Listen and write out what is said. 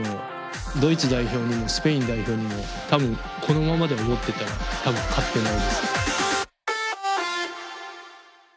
ドイツ代表にもスペイン代表にも多分このままで思ってたら勝ってないです。